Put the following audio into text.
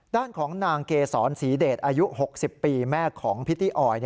ด้านของนางเกษรศรีเดชอายุ๖๐ปีแม่ของพิตตี้ออย